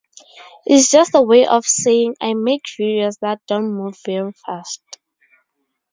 It's just a way of saying "I make videos that don't move very fast".